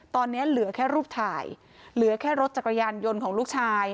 ตอนนี้เหลือแค่รูปถ่ายเหลือแค่รถจักรยานยนต์ของลูกชาย